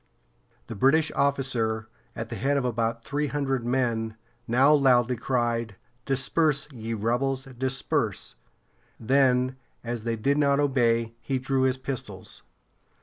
The British officer, at the head of about three hundred men, now loudly cried: "Disperse, ye rebels! Disperse!" Then, as they did not obey, he drew his pistols.